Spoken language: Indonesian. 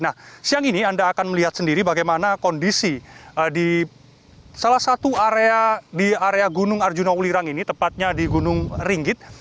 nah siang ini anda akan melihat sendiri bagaimana kondisi di salah satu area di area gunung arjuna ulirang ini tepatnya di gunung ringgit